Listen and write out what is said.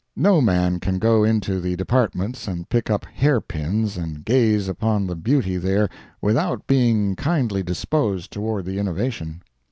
No man can go into the Departments and pick up hair pins and gaze upon the beauty there without being kindly disposed toward the innovation.